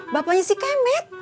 bapaknya si kemet